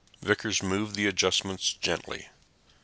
Vickers moved the adjustments gently.